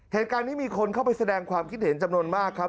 เหตุการณ์นี้มีคนเข้าไปแสดงความคิดเห็นจำนวนมากครับ